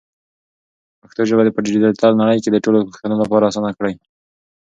پښتو ژبه په ډیجیټل نړۍ کې د ټولو پښتنو لپاره اسانه کړئ.